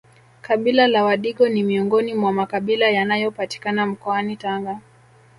Kabila la wadigo ni miongoni mwa makabila yanayopatikana mkoani Tanga